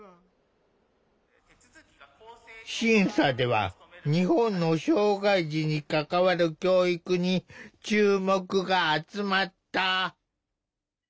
審査では日本の障害児に関わる教育に注目が集まった。